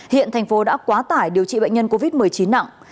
hiện thành phố đã quá tải điều trị bệnh nhân covid một mươi chín nặng